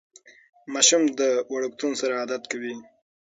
ماشوم د وړکتون سره عادت کوي.